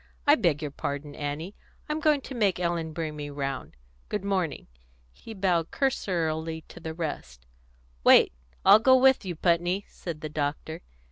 "I beg your pardon, Annie. I'm going to make Ellen bring me round. Good morning." He bowed cursorily to the rest. "Wait I'll go with you, Putney," said the doctor.